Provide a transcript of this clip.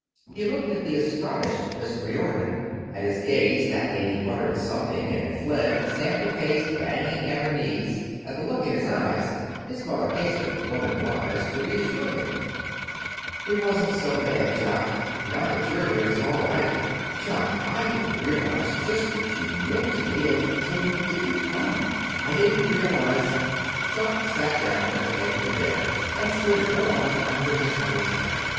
He looked at the astonished Miss Riordon. At his gaze that lady muttered something, and fled, sample case banging at her knees. At the look in his eyes his mother hastened, woman wise, to reassure him. [Illustration: "At his gaze that lady fled, sample case banging at her knees"] "It wasn't so bad, Jock. Now that you're here, it's all right. Jock, I didn't realize just what you meant to me until you didn't come. I didn't realize " Jock sat down at the edge of the bed, and slid one arm under his mother's head.